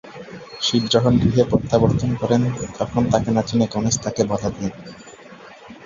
শিব যখন গৃহে প্রত্যাবর্তন করেন, তখন তাকে না চিনে গণেশ তাকে বাধা দেন।